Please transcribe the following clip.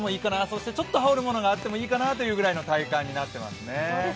そしてちょっと羽織るものがあってもいいかなという体感になっています。